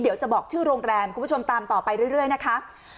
เดี๋ยวจะบอกชื่อโรงแรมคุณผู้ชมตามต่อไปเรื่อยนะคะ